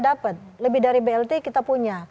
dapat lebih dari blt kita punya